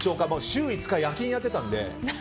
週５日夜勤をやっていたので。